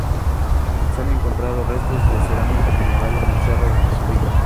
Se han encontrado restos de cerámica medieval en el cerro donde se ubicaba.